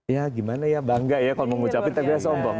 ya gimana ya bangga ya kalau mengucapkan tapi dia sombong